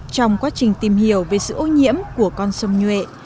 trong quá trình tìm hiểu về sự ô nhiễm của con sông nhuệ